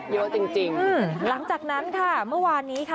เยอะจริงหลังจากนั้นค่ะเมื่อวานนี้ค่ะ